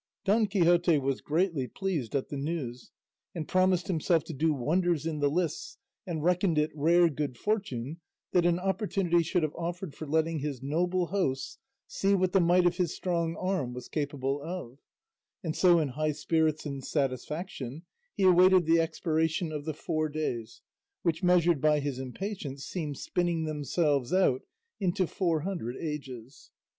Don Quixote was greatly pleased at the news, and promised himself to do wonders in the lists, and reckoned it rare good fortune that an opportunity should have offered for letting his noble hosts see what the might of his strong arm was capable of; and so in high spirits and satisfaction he awaited the expiration of the four days, which measured by his impatience seemed spinning themselves out into four hundred ages.